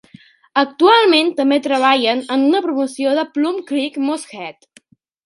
Actualment també treballen en una promoció de Plum Creek Moosehead.